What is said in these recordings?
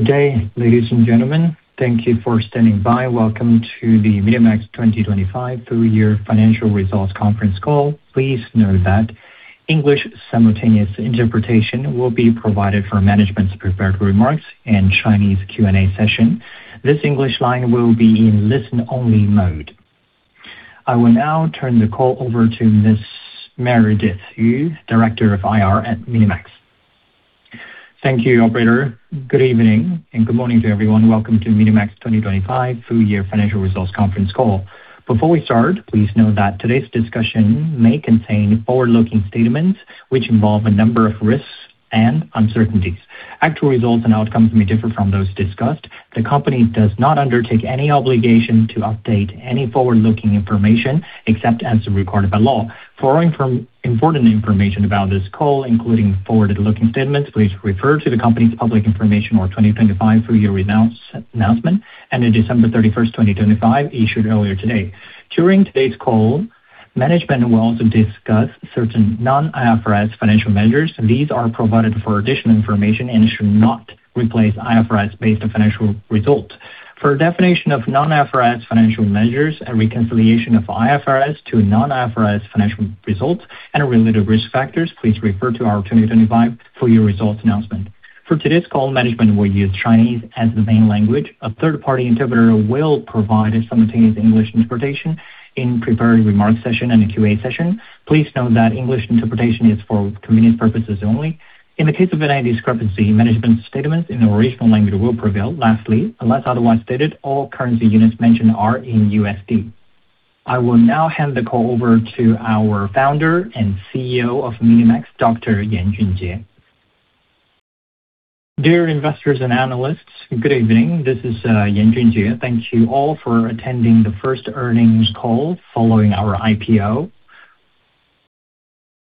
Good day, ladies and gentlemen. Thank you for standing by. Welcome to the MiniMax 2025 Full Year Financial Results Conference Call. Please note that English simultaneous interpretation will be provided for management's prepared remarks and Chinese Q&A session. This English line will be in listen only mode. I will now turn the call over to [Ms. Meredith Yu], Director of IR at MiniMax. Thank you, operator. Good evening and good morning to everyone. Welcome to MiniMax 2025 full year financial results conference call. Before we start, please note that today's discussion may contain forward-looking statements which involve a number of risks and uncertainties. Actual results and outcomes may differ from those discussed. The company does not undertake any obligation to update any forward-looking information except as required by law. For important information about this call, including forward-looking statements, please refer to the company's public information or 2025 full year announcement and the December 31st, 2025 issued earlier today. During today's call, management will also discuss certain non-IFRS financial measures. These are provided for additional information and should not replace IFRS-based financial results. For a definition of non-IFRS financial measures and reconciliation of IFRS to non-IFRS financial results and related risk factors, please refer to our 2025 full year results announcement. For today's call, management will use Chinese as the main language. A third party interpreter will provide a simultaneous English interpretation in prepared remarks session and a QA session. Please note that English interpretation is for convenience purposes only. In the case of any discrepancy, management statements in the original language will prevail. Lastly, unless otherwise stated, all currency units mentioned are in USD. I will now hand the call over to our founder and CEO of MiniMax, Dr. Yan Junjie. Dear investors and analysts, good evening. This is Yan Junjie. Thank you all for attending the first earnings call following our IPO.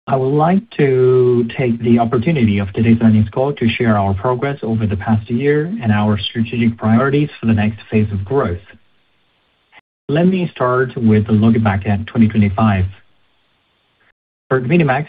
I would like to take the opportunity of today's earnings call to share our progress over the past year and our strategic priorities for the next phase of growth. Let me start with a look back at 2025. For MiniMax,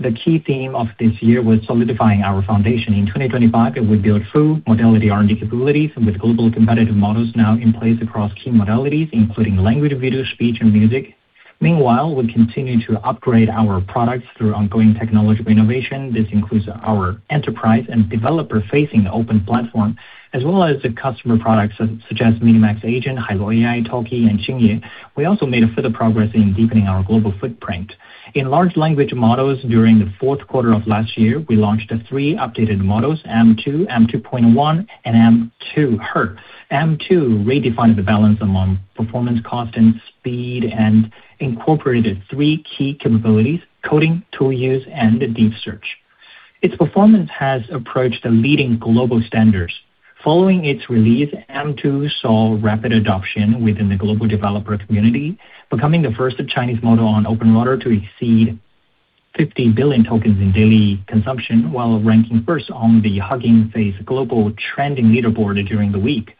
the key theme of this year was solidifying our foundation. In 2025, we built full modality R&D capabilities with global competitive models now in place across key modalities, including language, video, speech, and music. Meanwhile, we continue to upgrade our products through ongoing technological innovation. This includes our enterprise and developer-facing open platform, as well as the customer products such as MiniMax Agent, Hailuo AI, Talkie, and Xingye. We also made a further progress in deepening our global footprint. In large language models during the fourth quarter of last year, we launched three updated models M2, M2.1, and M2-her. M2 redefined the balance among performance, cost, and speed, and incorporated three key capabilities, coding, tool use, and deep search. Its performance has approached the leading global standards. Following its release, M2 saw rapid adoption within the global developer community, becoming the first Chinese model on OpenRouter to exceed 50 billion tokens in daily consumption, while ranking first on the Hugging Face global trending leaderboard during the week.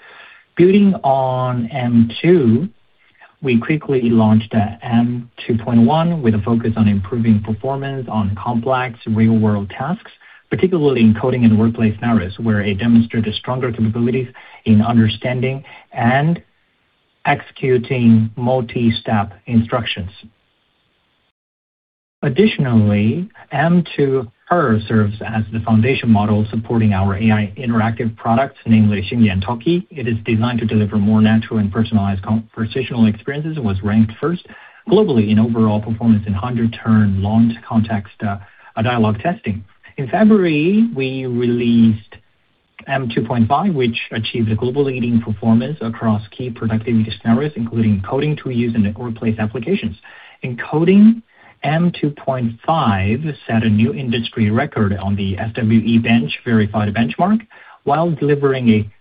Building on M2, we quickly launched the M2.1 with a focus on improving performance on complex real-world tasks, particularly in coding and workplace scenarios, where it demonstrated stronger capabilities in understanding and executing multi-step instructions. Additionally, M2-her serves as the foundation model supporting our AI interactive products, namely Xingye and Talkie. It is designed to deliver more natural and personalized conversational experiences and was ranked first globally in overall performance in 100-turn launch context dialogue testing. In February, we released M2.5, which achieved a global leading performance across key productivity scenarios, including coding tool use and workplace applications. In coding, M2.5 set a new industry record on the SWE-bench verified benchmark while delivering a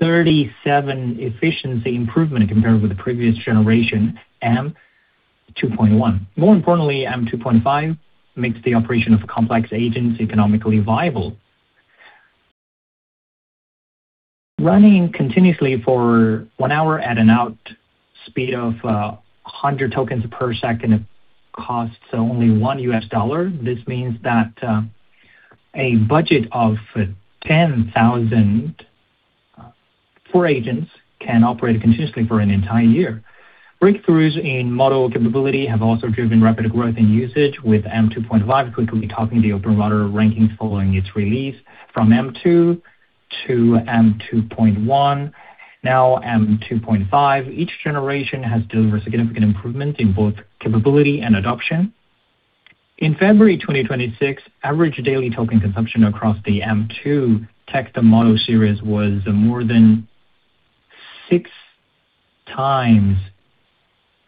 37 efficiency improvement compared with the previous generation, M2.1. More importantly, M2.5 makes the operation of complex agents economically viable. Running continuously for 1 hour at an out speed of 100 tokens per second costs only $1. This means that a budget of $10,000 for agents can operate continuously for 1 entire year. Breakthroughs in model capability have also driven rapid growth in usage, with M2.5 quickly topping the OpenRouter rankings following its release. From M2 to M2.1, now M2.5, each generation has delivered significant improvement in both capability and adoption. In February 2026, average daily token consumption across the M2 tech, the model series, was more than 6x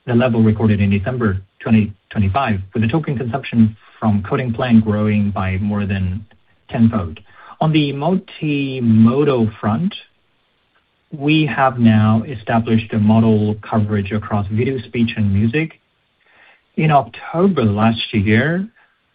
the level recorded in December 2025, with the token consumption from coding plan growing by more than tenfold. On the multimodal front, we have now established a model coverage across video, speech, and music. In October last year,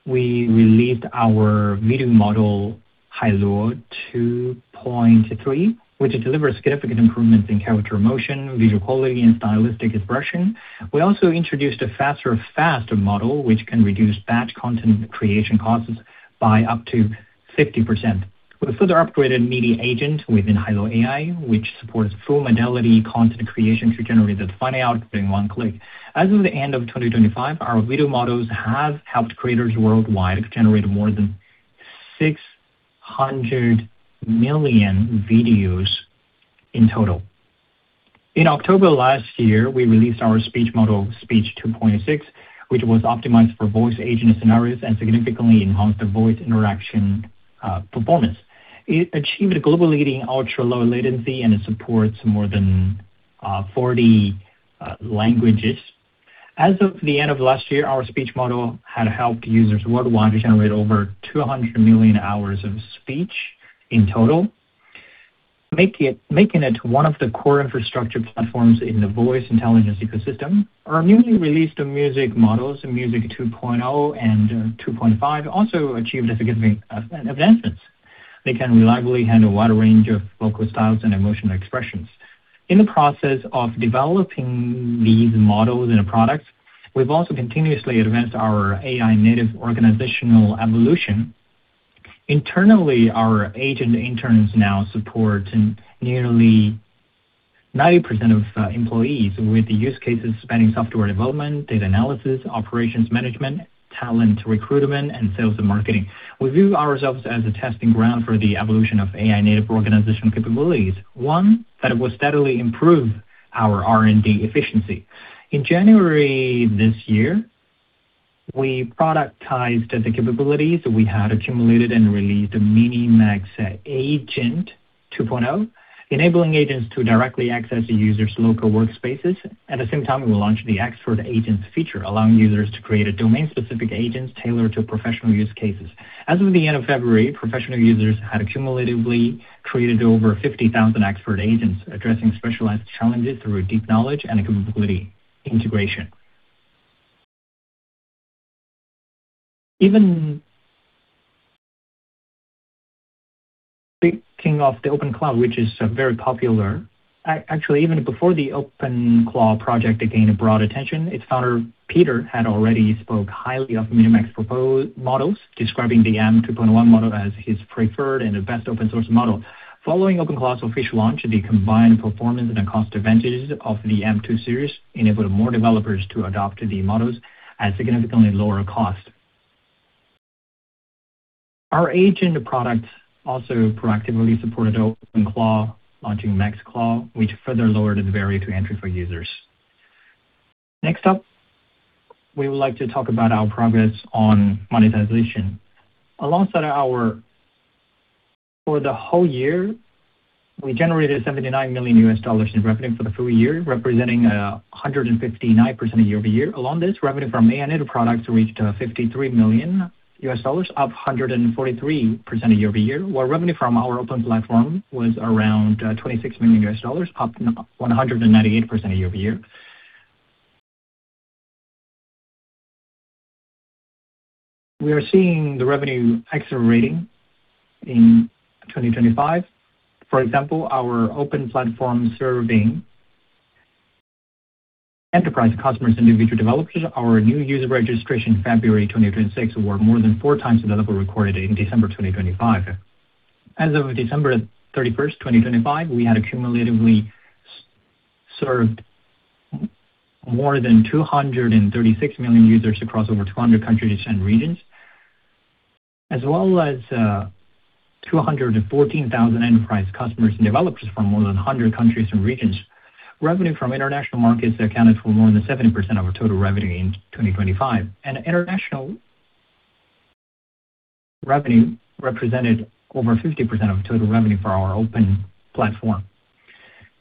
we released our video model, Hailuo 2.3, which delivers significant improvements in character motion, visual quality and stylistic expression. We also introduced a faster, fast model which can reduce batch content creation costs by up to 50%. We further upgraded Media Agent within Hailuo AI, which supports full modality content creation to generate the final output in one click. As of the end of 2025, our video models have helped creators worldwide generate more than 600 million videos in total. In October last year, we released our speech model, Speech 2.6, which was optimized for voice agent scenarios and significantly enhanced the voice interaction performance. It achieved a global leading ultra-low latency, and it supports more than 40 languages. As of the end of last year, our speech model had helped users worldwide generate over 200 million hours of speech in total, making it one of the core infrastructure platforms in the voice intelligence ecosystem. Our newly released music models, Music 2.0 and 2.5, also achieved significant advancements. They can reliably handle a wide range of vocal styles and emotional expressions. In the process of developing these models in a product, we've also continuously advanced our AI native organizational evolution. Internally, our agent interns now support nearly 90% of employees with the use cases spanning software development, data analysis, operations management, talent recruitment, and sales and marketing. We view ourselves as a testing ground for the evolution of AI native organization capabilities, one that will steadily improve our R&D efficiency. In January this year, we productized the capabilities we had accumulated and released a MiniMax Agent 2.0, enabling agents to directly access a user's local workspaces. At the same time, we launched the Expert Agents feature, allowing users to create a domain-specific agent tailored to professional use cases. As of the end of February, professional users had cumulatively created over 50,000 Expert Agents, addressing specialized challenges through deep knowledge and capability integration. Even speaking of the OpenClaw, which is very popular. Actually, even before the OpenClaw project gained broad attention, its founder, Peter, had already spoke highly of MiniMax models, describing the M2.1 model as his preferred and the best open source model. Following OpenClaw's official launch, the combined performance and cost advantages of the M2 series enabled more developers to adopt the models at significantly lower cost. Our agent products also proactively supported OpenClaw launching Max Claw, which further lowered the barrier to entry for users. Next up, we would like to talk about our progress on monetization. Alongside For the whole year, we generated $79 million in revenue for the full year, representing 159% YoY. Along this, revenue from AI-native products reached $53 million, up 143% YoY, while revenue from our open platform was around $26 million, up 198% YoY. We are seeing the revenue accelerating in 2025. For example, our open platform serving enterprise customers and individual developers. Our new user registration February 2026 were more than 4x available recorded in December 2025. As of December 31st, 2025, we had cumulatively served more than 236 million users across over 200 countries and regions, as well as 214,000 enterprise customers and developers from more than 100 countries and regions. Revenue from international markets accounted for more than 70% of our total revenue in 2025, and international revenue represented over 50% of total revenue for our open platform.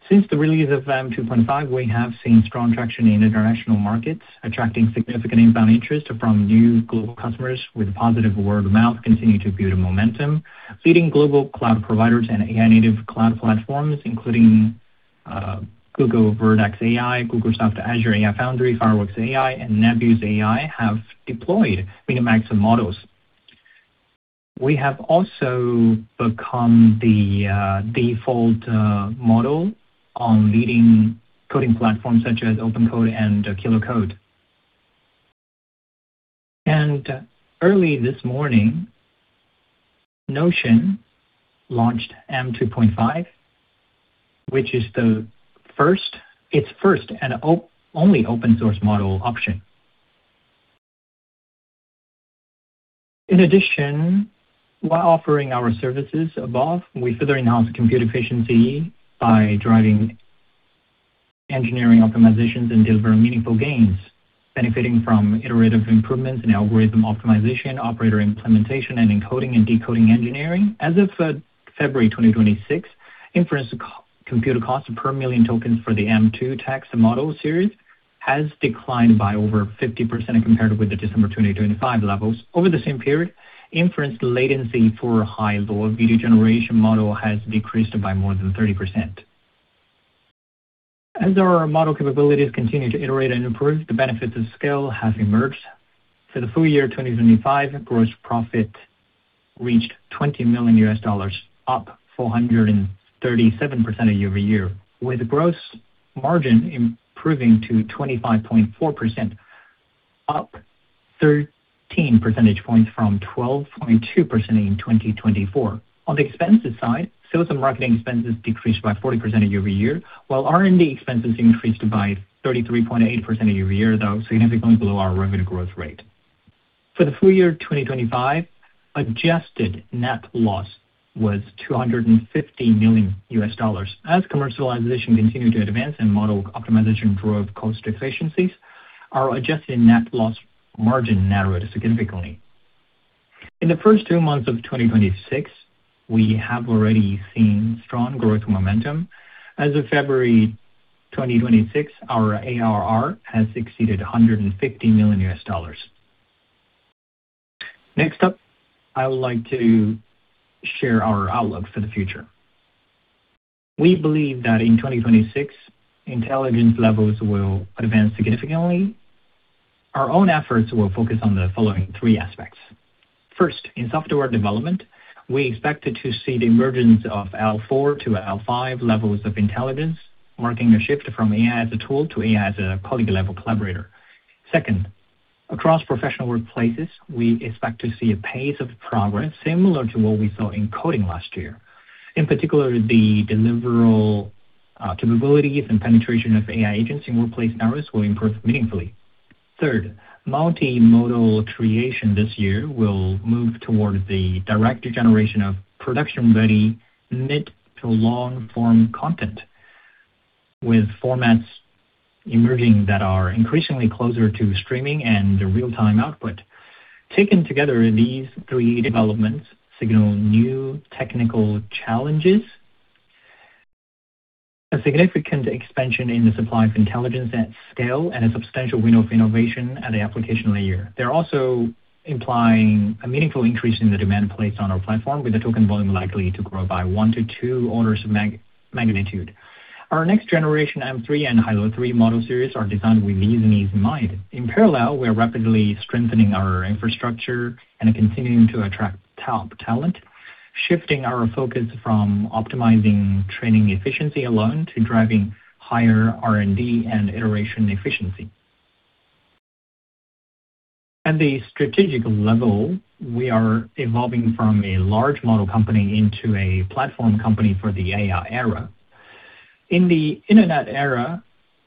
Since the release of M2.5, we have seen strong traction in international markets, attracting significant inbound interest from new global customers with positive word-of-mouth continuing to build momentum. Leading global cloud providers and AI native cloud platforms, including Google Vertex AI, Microsoft Azure AI Foundry, Fireworks AI, and Nebula AI have deployed MiniMax models. We have also become the default model on leading coding platforms such as OpenCode and KiloCode. Early this morning, Notion launched M2.5, which is its first and only open source model option. In addition, while offering our services above, we further enhance compute efficiency by driving engineering optimizations and delivering meaningful gains, benefiting from iterative improvements in algorithm optimization, operator implementation, and encoding and decoding engineering. As of February 2026, inference co-compute cost per million tokens for the M2 text model series has declined by over 50% compared with the December 2025 levels. Over the same period, inference latency for Hailuo video generation model has decreased by more than 30%. As our model capabilities continue to iterate and improve, the benefits of scale have emerged. For the full year 2025, gross profit reached $20 million, up 437% YoY, with gross margin improving to 25.4%, up 13 percentage points from 12.2% in 2024. On the expenses side, sales and marketing expenses decreased by 40% YoY, while R&D expenses increased by 33.8% YoY, though significantly below our revenue growth rate. For the full year 2025, adjusted net loss was $250 million. As commercialization continued to advance and model optimization drove cost efficiencies, our adjusted net loss margin narrowed significantly. In the first 2 months of 2026, we have already seen strong growth momentum. As of February 2026, our ARR has exceeded $150 million. Next up, I would like to share our outlook for the future. We believe that in 2026, intelligence levels will advance significantly. Our own efforts will focus on the following three aspects. First, in software development, we expect to see the emergence of L.4 to L.5 levels of intelligence, marking a shift from AI as a tool to AI as a colleague-level collaborator. Second, across professional workplaces, we expect to see a pace of progress similar to what we saw in coding last year. In particular, the deliverable capabilities and penetration of AI agents in workplace scenarios will improve meaningfully. Third, multimodal creation this year will move toward the direct generation of production-ready mid to long-form content, with formats emerging that are increasingly closer to streaming and real-time output. Taken together, these three developments signal new technical challenges, a significant expansion in the supply of intelligence at scale, and a substantial window of innovation at the application layer. They're also implying a meaningful increase in the demand placed on our platform, with the token volume likely to grow by one to two orders of magnitude. Our next generation M3 and Hailuo 3 model series are designed with these needs in mind. In parallel, we are rapidly strengthening our infrastructure and continuing to attract top talent, shifting our focus from optimizing training efficiency alone to driving higher R&D and iteration efficiency. At the strategic level, we are evolving from a large model company into a platform company for the AI era. In the internet era,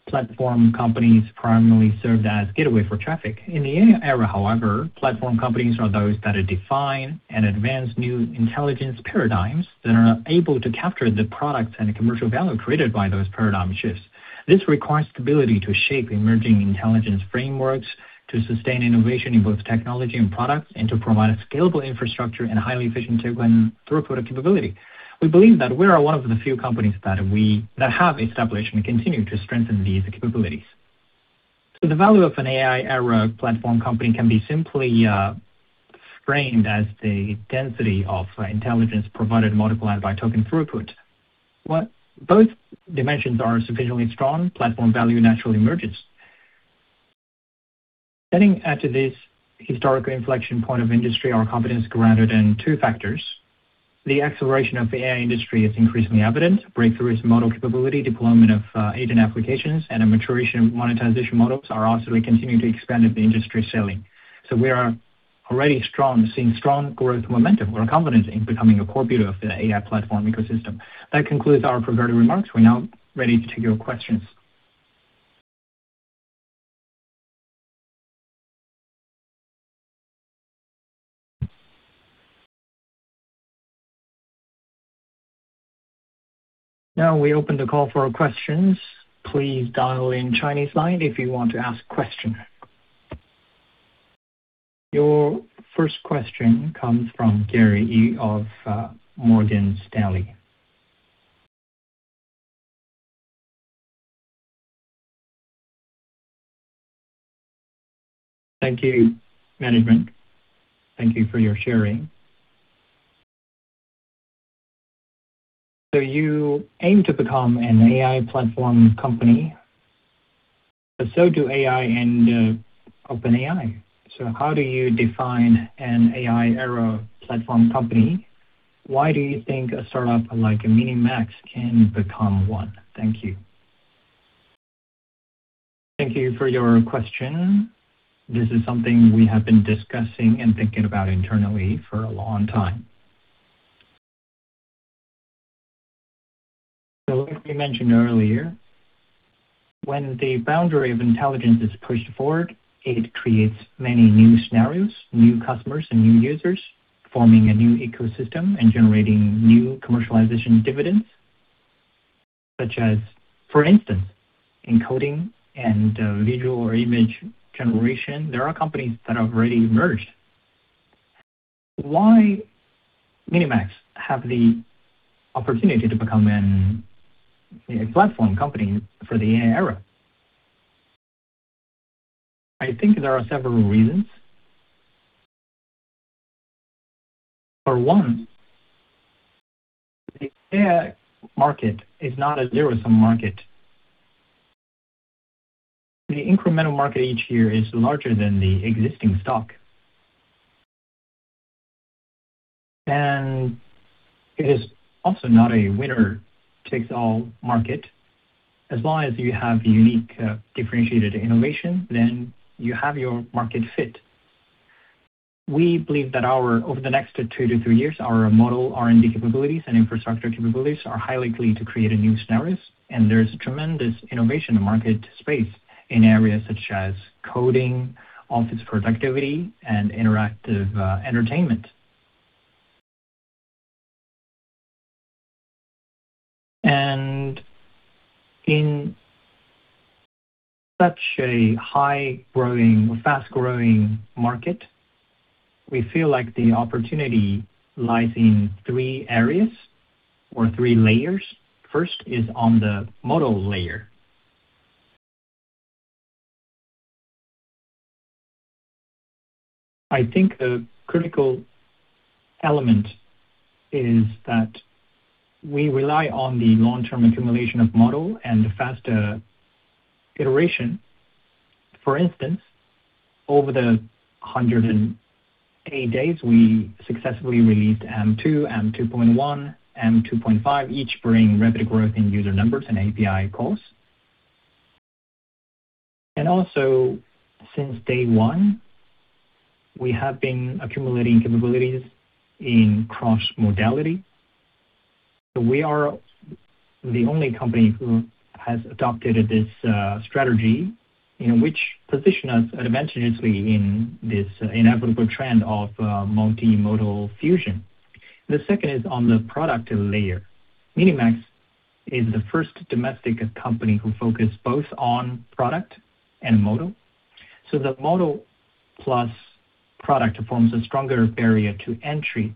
platform companies primarily served as gateway for traffic. In the AI era, however, platform companies are those that define and advance new intelligence paradigms that are able to capture the products and commercial value created by those paradigm shifts. This requires the ability to shape emerging intelligence frameworks, to sustain innovation in both technology and products, and to provide a scalable infrastructure and highly efficient token throughput capability. We believe that we are one of the few companies that have established and continue to strengthen these capabilities. The value of an AI era platform company can be simply framed as the density of intelligence provided, multiplied by token throughput. When both dimensions are sufficiently strong, platform value naturally emerges. Getting out to this historical inflection point of industry, our confidence is grounded in two factors. The acceleration of the AI industry is increasingly evident. Breakthroughs in model capability, deployment of agent applications, and a maturation of monetization models are also continuing to expand at the industry ceiling. We are already strong, seeing strong growth momentum. We're confident in becoming a core builder of the AI platform ecosystem. That concludes our prepared remarks. We're now ready to take your questions. We open the call for questions. Please dial in Chinese line if you want to ask question. Your first question comes from [Gary Yi] of Morgan Stanley. Thank you, management. Thank you for your sharing. You aim to become an AI platform company, but so do AI and OpenAI. How do you define an AI era platform company? Why do you think a startup like MiniMax can become one? Thank you. Thank you for your question. This is something we have been discussing and thinking about internally for a long time. As we mentioned earlier, when the boundary of intelligence is pushed forward, it creates many new scenarios, new customers and new users, forming a new ecosystem and generating new commercialization dividends, such as, for instance, in coding and visual or image generation, there are companies that have already emerged. Why MiniMax have the opportunity to become a platform company for the AI era? I think there are several reasons. For one, the AI market is not a zero-sum market. The incremental market each year is larger than the existing stock. It is also not a winner takes all market. As long as you have unique, differentiated innovation, then you have your market fit. We believe that our over the next two to three years, our model R&D capabilities and infrastructure capabilities are highly likely to create new scenarios. There is tremendous innovation market space in areas such as coding, office productivity, and interactive entertainment. In such a fast-growing market, we feel like the opportunity lies in 3 areas or 3 layers. First is on the model layer. I think the critical element is that we rely on the long-term accumulation of model and faster iteration. For instance, over the 180 days, we successfully released M2.1, M2.5, each bringing rapid growth in user numbers and API calls. Since day 1, we have been accumulating capabilities in cross-modality. We are the only company who has adopted this strategy, you know, which position us advantageously in this inevitable trend of multimodal fusion. The second is on the product layer. MiniMax is the first domestic company who focus both on product and model. The model plus product forms a stronger barrier to entry.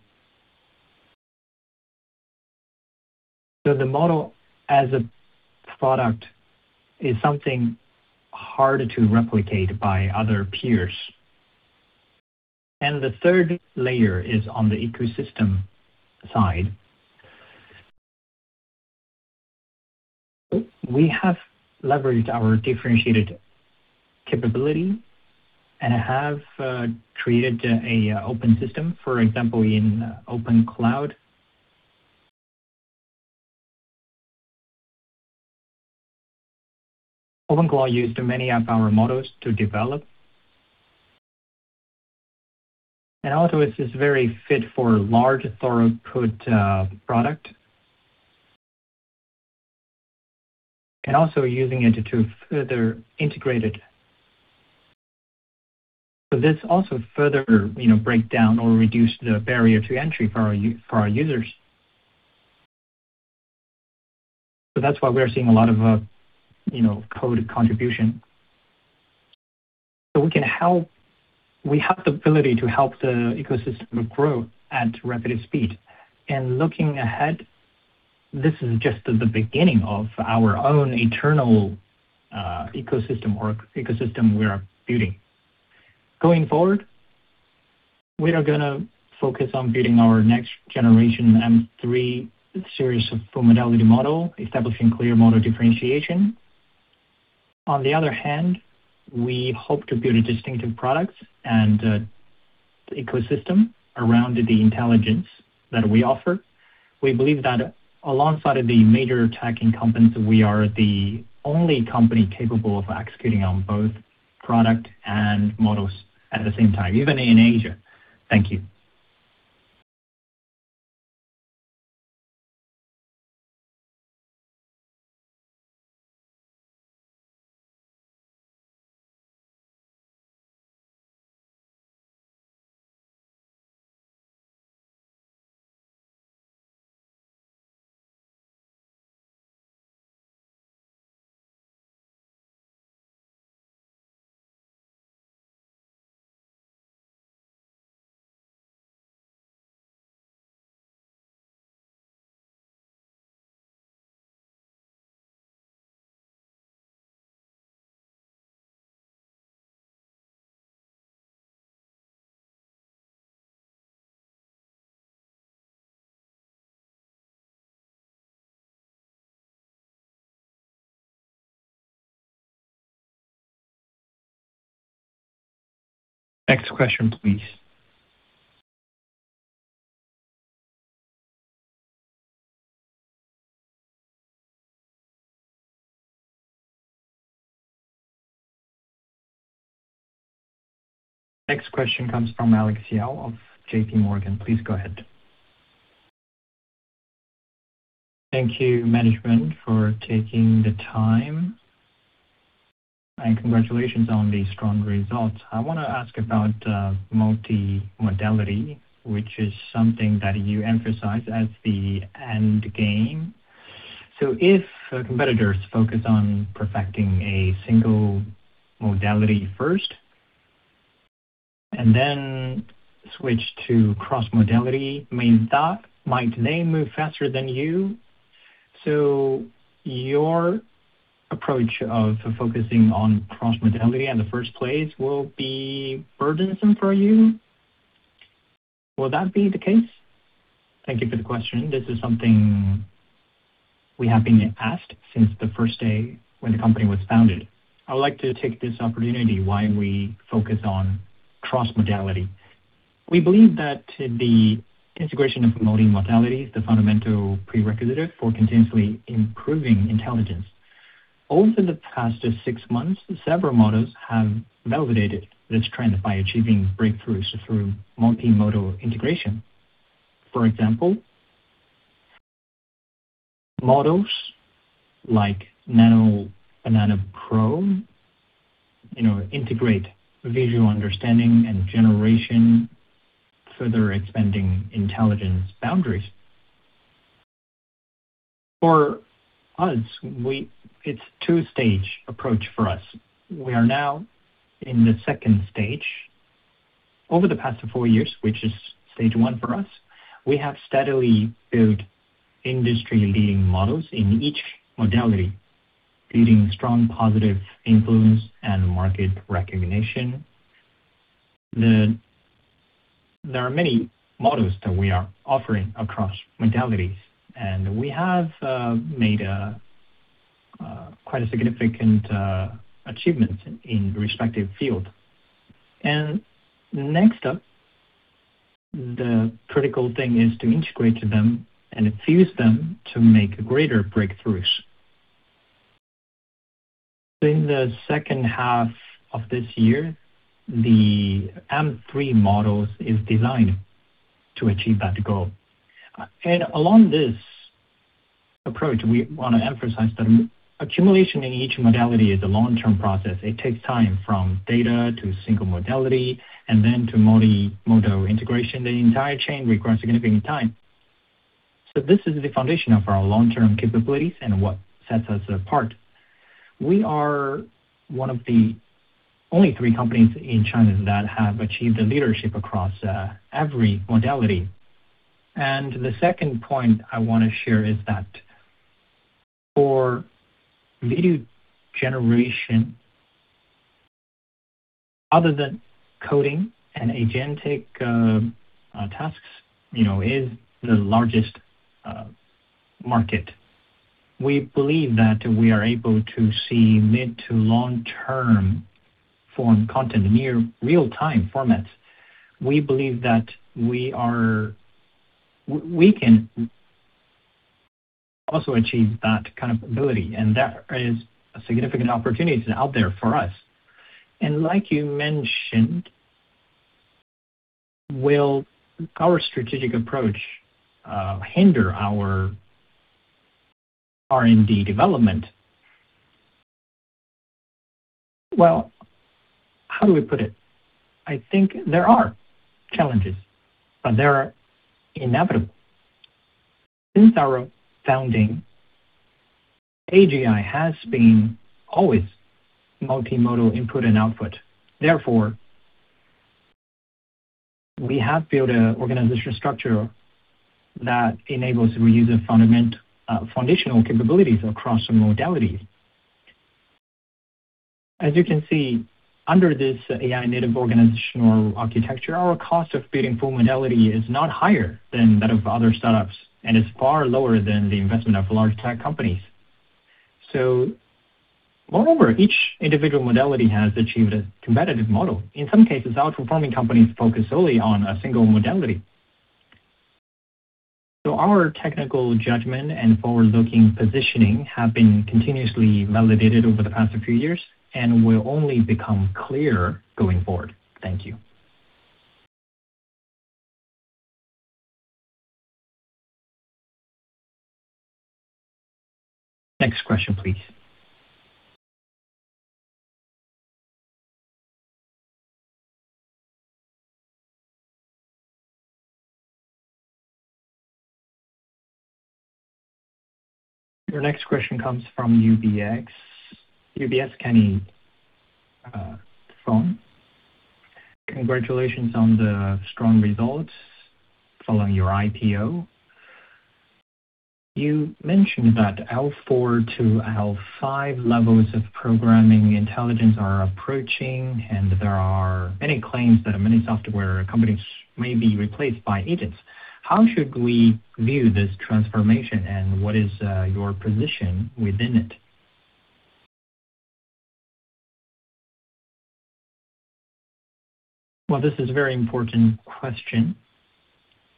The model as a product is something hard to replicate by other peers. The third layer is on the ecosystem side. We have leveraged our differentiated capability and have created a open system, for example, in OpenClaw. OpenClaw used many of our models to develop. Also it's very fit for large throughput product. Also using it to further integrate it. This also further, you know, break down or reduce the barrier to entry for our users. That's why we are seeing a lot of, you know, code contribution. We can help. We have the ability to help the ecosystem grow at rapid speed. Looking ahead, this is just the beginning of our own internal ecosystem or ecosystem we are building. Going forward, we are gonna focus on building our next generation M3 series of full modality model, establishing clear model differentiation. On the other hand, we hope to build a distinctive product and ecosystem around the intelligence that we offer. We believe that alongside of the major tech incumbents, we are the only company capable of executing on both product and models at the same time, even in Asia. Thank you. Next question, please. Next question comes from Alex Yao of J.P. Morgan. Please go ahead. Thank you, management, for taking the time. Congratulations on the strong results. I wanna ask about multimodality, which is something that you emphasize as the end game. If competitors focus on perfecting a single modality first and then switch to cross-modality main stock, might they move faster than you? Your approach of focusing on cross-modality in the first place will be burdensome for you. Will that be the case? Thank you for the question. This is something we have been asked since the first day when the company was founded. I would like to take this opportunity why we focus on cross-modality. We believe that the integration of modeling modality is the fundamental prerequisite for continuously improving intelligence. Over the past six months, several models have validated this trend by achieving breakthroughs through multimodal integration. For example, models like Nano and Nano Pro, you know, integrate visual understanding and generation, further expanding intelligence boundaries. For us, it's two-stage approach for us. We are now in the second stage. Over the past 4 years, which is stage 1 for us, we have steadily built industry leading models in each modality, creating strong positive influence and market recognition. There are many models that we are offering across modalities, and we have made a quite a significant achievement in respective field. Next up, the critical thing is to integrate them and fuse them to make greater breakthroughs. In the second half of this year, the M3 models is designed to achieve that goal. Along this approach, we want to emphasize that accumulation in each modality is a long-term process. It takes time from data to single modality and then to multi-modal integration. The entire chain requires significant time. This is the foundation of our long-term capabilities and what sets us apart. We are one of the only three companies in China that have achieved the leadership across every modality. The second point I want to share is that for video generation, other than coding and agentic tasks, you know, is the largest market. We believe that we are able to see mid to long-term form content near real-time formats. We believe that we can also achieve that kind of ability, and that is a significant opportunity out there for us. Like you mentioned, will our strategic approach hinder our R&D development? Well, how do we put it? I think there are challenges, but they are inevitable. Since our founding, AGI has been always multimodal input and output. We have built an organizational structure that enables reusing foundational capabilities across modalities. As you can see, under this AI native organizational architecture, our cost of building full modality is not higher than that of other startups, and is far lower than the investment of large tech companies. Moreover, each individual modality has achieved a competitive model, in some cases, outperforming companies focused solely on a single modality. Our technical judgment and forward-looking positioning have been continuously validated over the past few years and will only become clearer going forward. Thank you. Next question, please. Your next question comes from UBS, Kenneth Fong. Congratulations on the strong results following your IPO. You mentioned that L4 to L5 levels of programming intelligence are approaching, and there are many claims that many software companies may be replaced by agents. How should we view this transformation and what is your position within it? This is a very important question.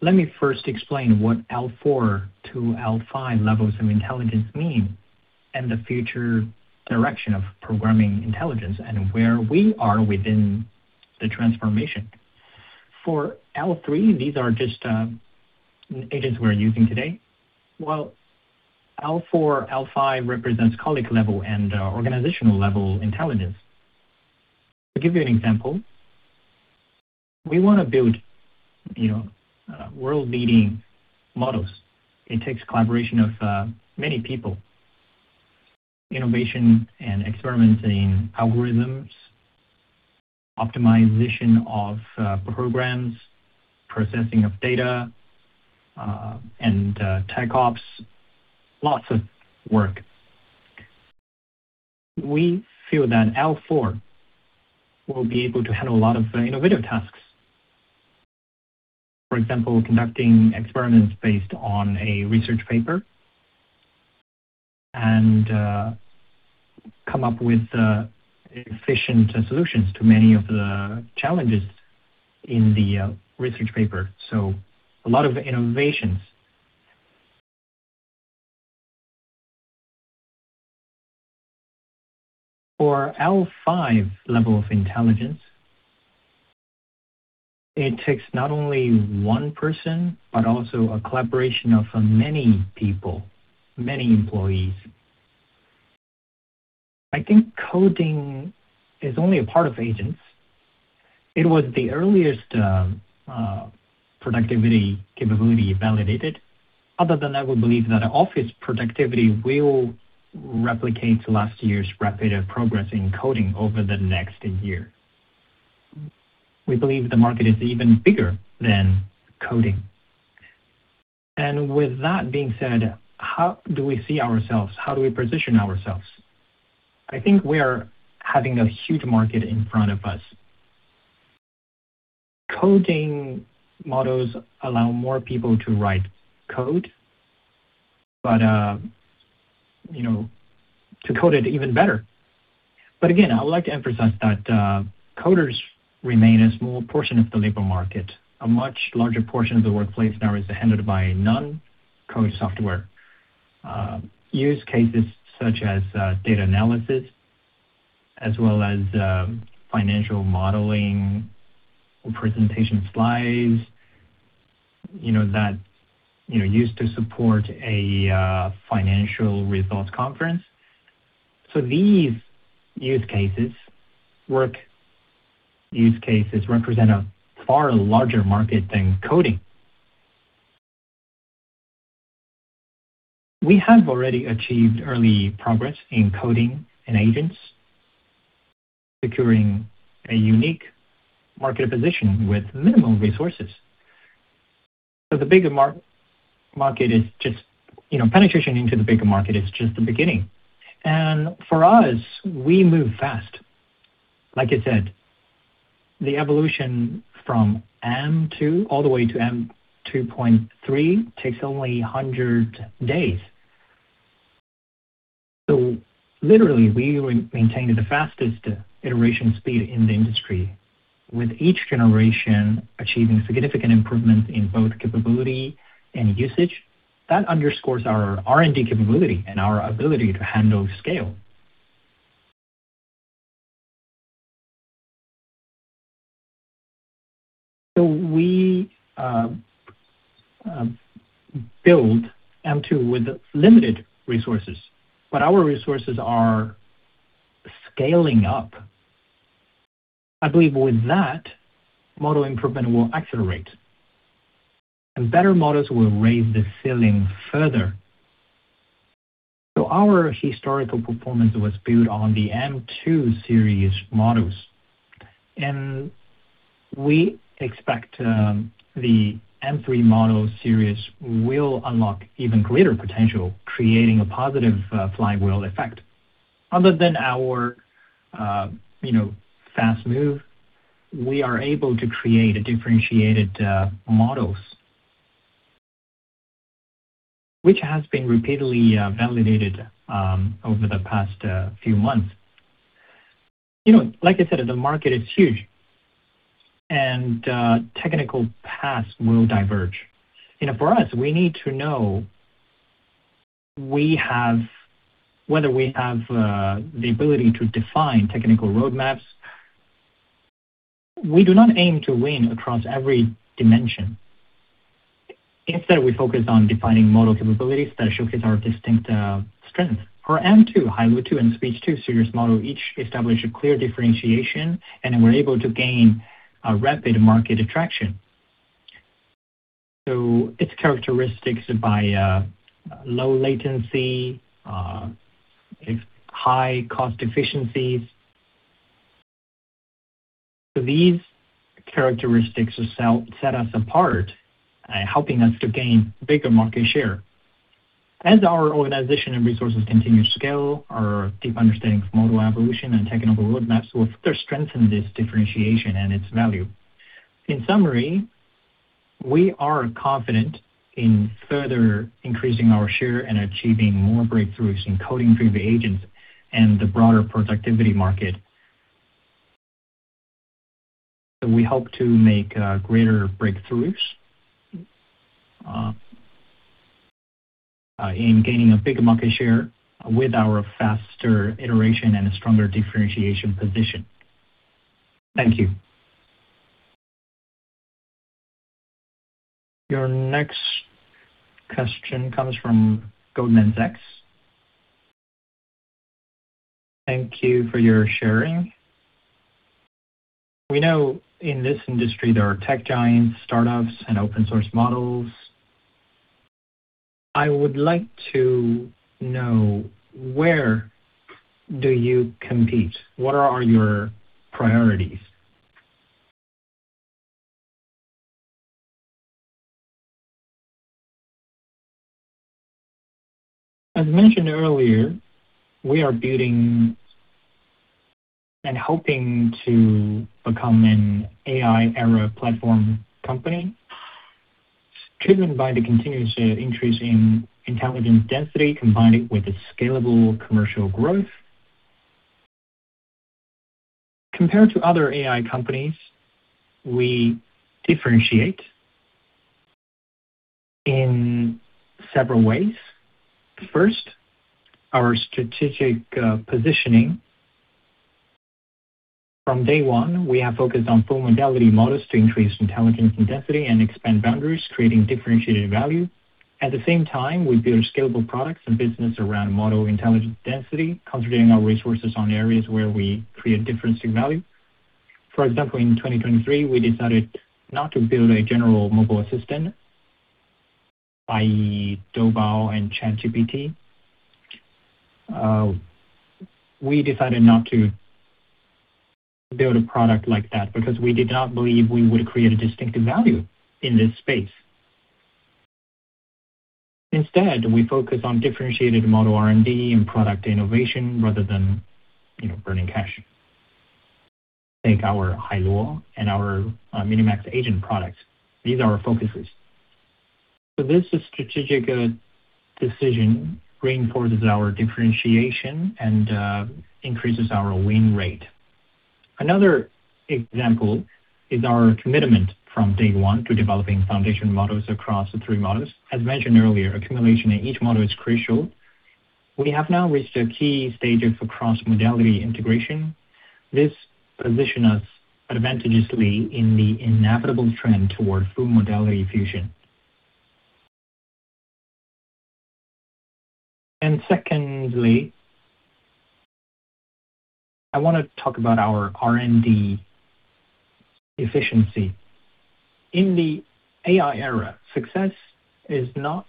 Let me first explain what L4 to L5 levels of intelligence mean, and the future direction of programming intelligence and where we are within the transformation. For L3, these are just agents we're using today, while L4, L5 represents colleague level and organizational level intelligence. To give you an example, we want to build, you know, world-leading models. It takes collaboration of many people. Innovation and experimenting algorithms, optimization of programs, processing of data and tech ops. Lots of work. We feel that L4 will be able to handle a lot of innovative tasks. For example, conducting experiments based on a research paper and come up with efficient solutions to many of the challenges in the research paper. A lot of innovations. For L5 level of intelligence, it takes not only one person, but also a collaboration of many people, many employees. I think coding is only a part of agents. It was the earliest productivity capability validated. Other than that, we believe that office productivity will replicate last year's rapid progress in coding over the next year. We believe the market is even bigger than coding. With that being said, how do we see ourselves? How do we position ourselves? I think we are having a huge market in front of us. Coding models allow more people to write code, but, you know, to code it even better. Again, I would like to emphasize that coders remain a small portion of the labor market. A much larger portion of the workplace now is handled by non-code software. Use cases such as data analysis as well as financial modeling or presentation slides, you know, that, you know, used to support a financial results conference. These use cases, work use cases represent a far larger market than coding. We have already achieved early progress in coding and agents, securing a unique market position with minimum resources. The bigger market is just You know, penetration into the bigger market is just the beginning. For us, we move fast. Like I said, the evolution from M2 all the way to M2.3 takes only 100 days. Literally, we maintain the fastest iteration speed in the industry, with each generation achieving significant improvements in both capability and usage. That underscores our R&D capability and our ability to handle scale. We build M2 with limited resources, but our resources are scaling up. I believe with that, model improvement will accelerate, and better models will raise the ceiling further. Our historical performance was built on the M2 series models. We expect the M3 model series will unlock even greater potential, creating a positive flywheel effect. Other than our, you know, fast move, we are able to create differentiated models, which has been repeatedly validated over the past few months. You know, like I said, the market is huge and technical paths will diverge. You know, for us, we need to know whether we have the ability to define technical roadmaps. We do not aim to win across every dimension. Instead, we focus on defining model capabilities that showcase our distinct strength. For M2, Hailuo 2, and Speech 2 series model, each establish a clear differentiation, and we're able to gain a rapid market attraction. Its characteristics by low latency, high cost efficiencies. These characteristics set us apart, helping us to gain bigger market share. As our organization and resources continue to scale, our deep understanding of model evolution and technical roadmaps will further strengthen this differentiation and its value. In summary, we are confident in further increasing our share and achieving more breakthroughs in coding-free agents and the broader productivity market. We hope to make greater breakthroughs in gaining a bigger market share with our faster iteration and a stronger differentiation position. Thank you. Your next question comes from Goldman Sachs. Thank you for your sharing. We know in this industry there are tech giants, startups, and open source models. I would like to know where do you compete? What are your priorities? As mentioned earlier, we are building and hoping to become an AI era platform company driven by the continuous increase in intelligence density combined with its scalable commercial growth. Compared to other AI companies, we differentiate in several ways. First, our strategic positioning. From day one, we have focused on full modality models to increase intelligence and density and expand boundaries, creating differentiated value. At the same time, we build scalable products and business around model intelligence density, concentrating our resources on areas where we create different value. For example, in 2023, we decided not to build a general mobile assistant, i.e. Doubao and ChatGPT. We decided not to build a product like that because we did not believe we would create a distinctive value in this space. Instead, we focus on differentiated model R&D and product innovation rather than, you know, burning cash. Take our Hailuo and our MiniMax Agent products. These are our focuses. This strategic decision reinforces our differentiation and increases our win rate. Another example is our commitment from day one to developing foundation models across the three models. As mentioned earlier, accumulation in each model is crucial. We have now reached a key stage of cross-modality integration. This position us advantageously in the inevitable trend toward full modality fusion. Secondly, I want to talk about our R&D efficiency. In the AI era, success is not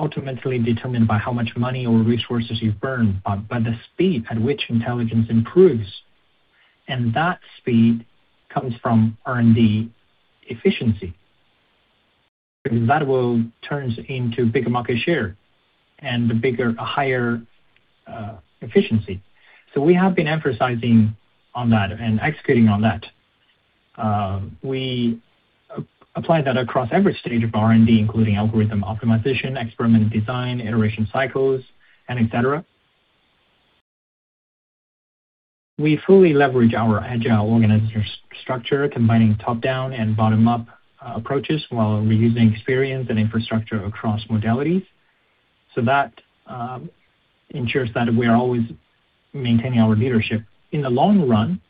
ultimately determined by how much money or resources you've burned, but by the speed at which intelligence improves. That speed comes from R&D efficiency. That will turns into bigger market share and the bigger higher efficiency. We have been emphasizing on that and executing on that. We apply that across every stage of R&D, including algorithm optimization, experiment design, iteration cycles, and et cetera. We fully leverage our agile organizer structure, combining top-down and bottom-up approaches while reusing experience and infrastructure across modalities. That ensures that we are always maintaining our leadership. In the long run,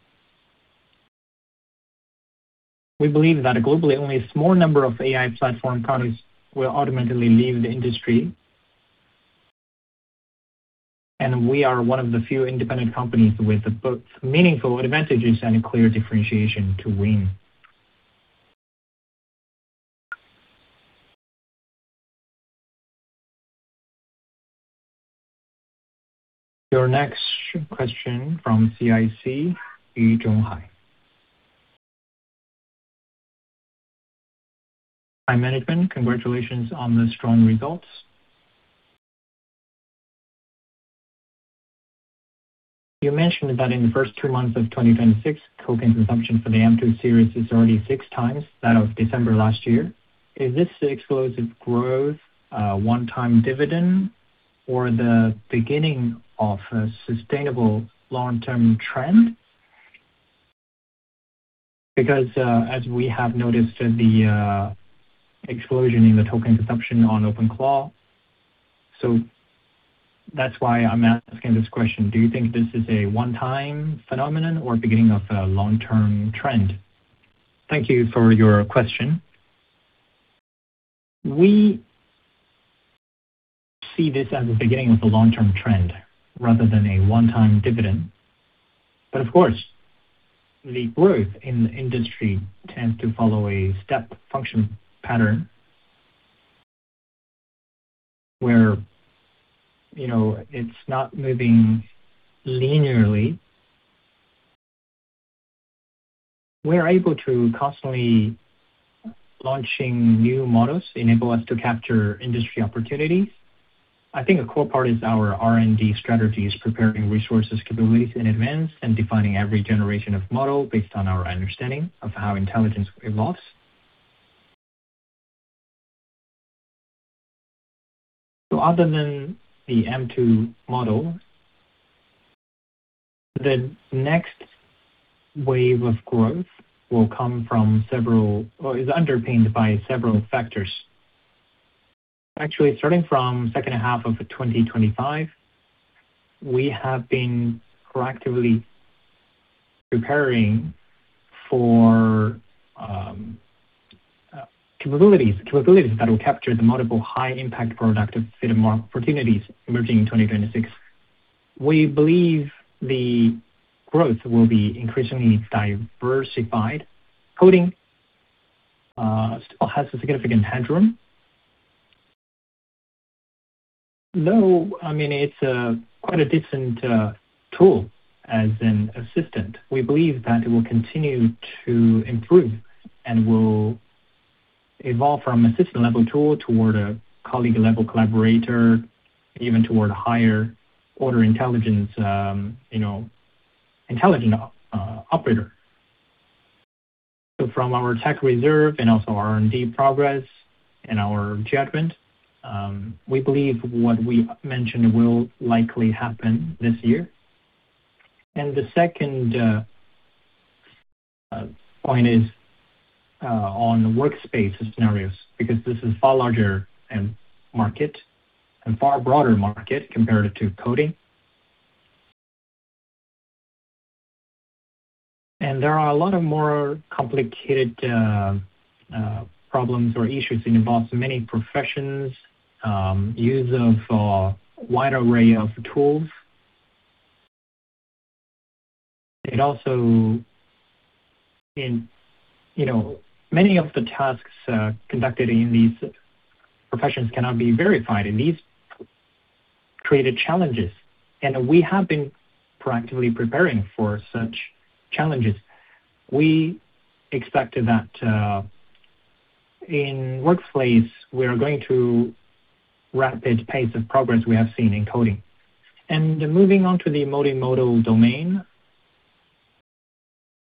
we believe that globally, only a small number of AI platform products will automatically leave the industry. We are one of the few independent companies with both meaningful advantages and clear differentiation to win. Your next question from CICC, [Jialong Shi]. Hi, management. Congratulations on the strong results. You mentioned that in the first two months of 2026, token consumption for the M2 series is already 6x that of December last year. Is this explosive growth a one-time dividend or the beginning of a sustainable long-term trend? As we have noticed the explosion in the token consumption on OpenClaw. That's why I'm asking this question. Do you think this is a one-time phenomenon or beginning of a long-term trend? Thank you for your question. We see this as the beginning of a long-term trend rather than a one-time dividend. Of course, the growth in the industry tends to follow a step function pattern where, you know, it's not moving linearly. We are able to constantly launching new models enable us to capture industry opportunities. I think a core part is our R&D strategies, preparing resources, capabilities in advance, and defining every generation of model based on our understanding of how intelligence evolves. Other than the M2 model, the next wave of growth will come from or is underpinned by several factors. Starting from second half of 2025, we have been proactively preparing for capabilities that will capture the multiple high impact productive market opportunities emerging in 2026. We believe the growth will be increasingly diversified. Coding still has a significant headroom. I mean, it's a quite a decent tool as an assistant. We believe that it will continue to improve and will evolve from assistant level tool toward a colleague level collaborator, even toward higher order intelligence, you know, intelligent operator. From our tech reserve and also R&D progress and our judgment, we believe what we mentioned will likely happen this year. The second point is on workspace scenarios, because this is far larger and market and far broader market compared to coding. There are a lot of more complicated problems or issues. It involves many professions, use of a wide array of tools. You know, many of the tasks conducted in these professions cannot be verified, and these created challenges. We have been proactively preparing for such challenges. We expected that in workplace, we are going to rapid pace of progress we have seen in coding. Moving on to the multimodal domain.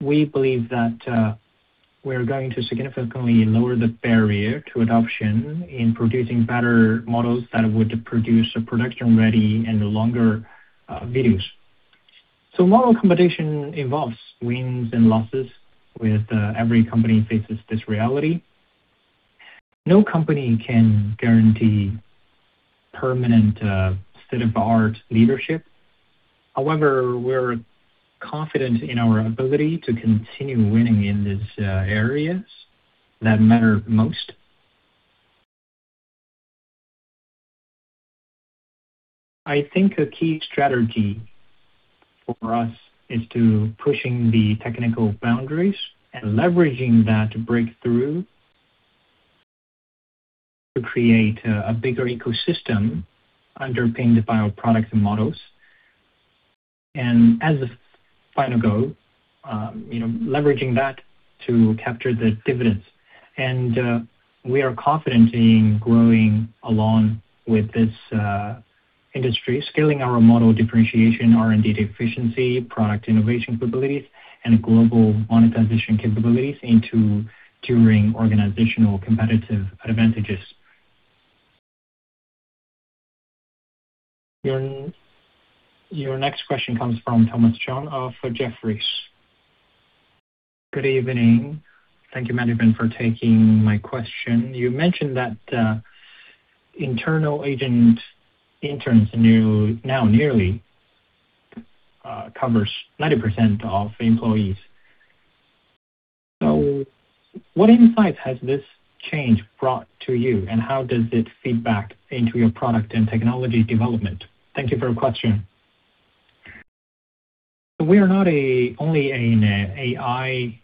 We believe that we're going to significantly lower the barrier to adoption in producing better models that would produce a production ready and longer videos. Model competition involves wins and losses with every company faces this reality. No company can guarantee permanent state of the art leadership. However, we're confident in our ability to continue winning in these areas that matter most. I think a key strategy for us is to pushing the technical boundaries and leveraging that breakthrough. To create a bigger ecosystem underpinned by our products and models. As a final goal, you know, leveraging that to capture the dividends. We are confident in growing along with this industry, scaling our model differentiation, R&D efficiency, product innovation capabilities, and global monetization capabilities into enduring organizational competitive advantages. Your next question comes from Thomas Chong of Jefferies. Good evening. Thank you, management, for taking my question. You mentioned that internal agent interns now nearly covers 90% of employees. What insights has this change brought to you, and how does it feedback into your product and technology development? Thank you for your question. We are not a only an AI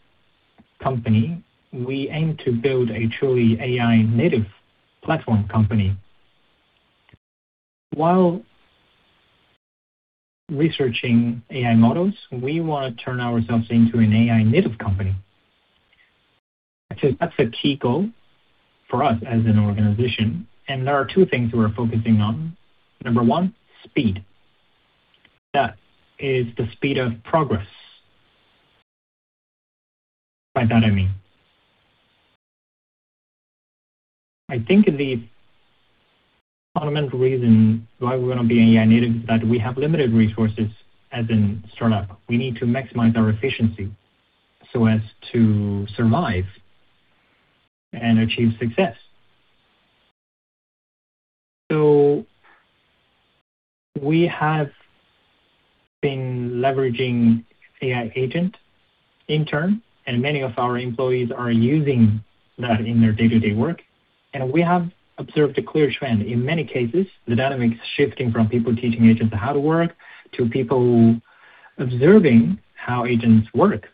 company. We aim to build a truly AI native platform company. While researching AI models, we wanna turn ourselves into an AI native company. That's a key goal for us as an organization, and there are two things we're focusing on. Number one, speed. That is the speed of progress. By that I mean, I think the fundamental reason why we want to be AI native is that we have limited resources as a startup. We need to maximize our efficiency so as to survive and achieve success. We have been leveraging AI agent intern, and many of our employees are using that in their day-to-day work. We have observed a clear trend. In many cases, the dynamic is shifting from people teaching agents how to work to people observing how agents work.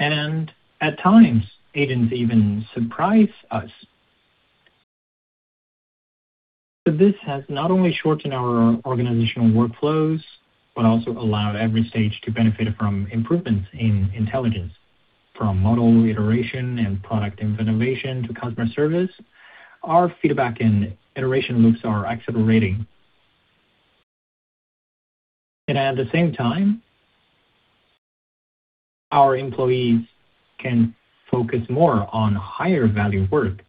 At times, agents even surprise us. This has not only shortened our organizational workflows, but also allowed every stage to benefit from improvements in intelligence. From model iteration and product innovation to customer service, our feedback and iteration loops are accelerating. At the same time, our employees can focus more on higher value work,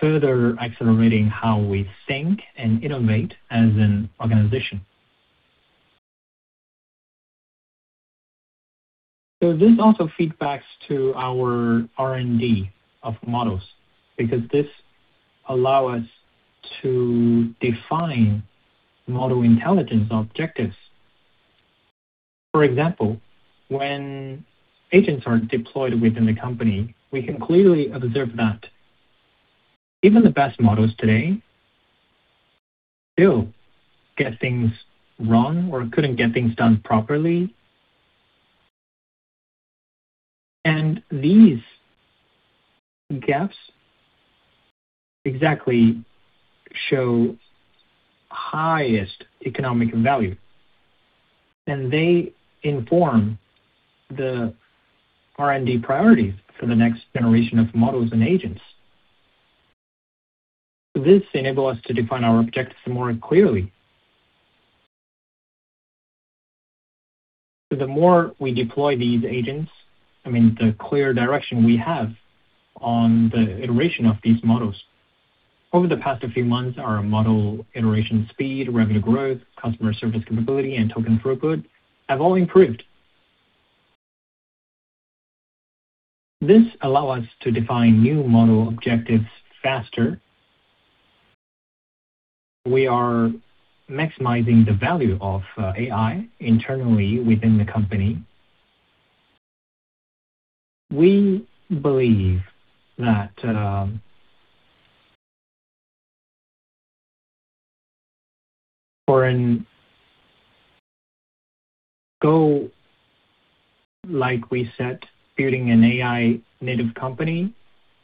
further accelerating how we think and innovate as an organization. This also feedbacks to our R&D of models because this allow us to define model intelligence objectives. For example, when agents are deployed within the company, we can clearly observe that even the best models today still get things wrong or couldn't get things done properly. These gaps exactly show highest economic value, and they inform the R&D priorities for the next generation of models and agents. This enable us to define our objectives more clearly. The more we deploy these agents, I mean, the clear direction we have on the iteration of these models. Over the past few months, our model iteration speed, revenue growth, customer service capability, and token throughput have all improved. This allow us to define new model objectives faster. We are maximizing the value of AI internally within the company. We believe that Go like we set building an AI native company,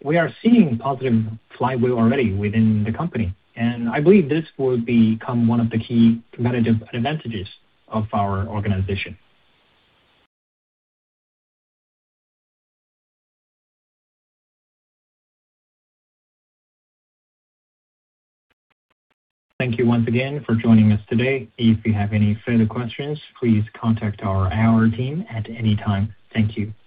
we are seeing positive flywheel already within the company, and I believe this will become one of the key competitive advantages of our organization. Thank you once again for joining us today. If you have any further questions, please contact our IR team at any time. Thank you.